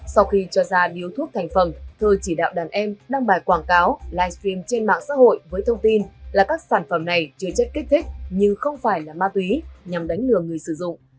sau khi cho ra điếu thuốc thành phẩm thơ chỉ đạo đàn em đăng bài quảng cáo livestream trên mạng xã hội với thông tin là các sản phẩm này chứa chất kích thích nhưng không phải là ma túy nhằm đánh lừa người sử dụng